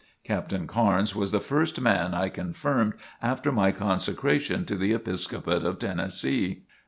Captain Carnes was the first man I confirmed after my consecration to the Episcopate of Tennessee.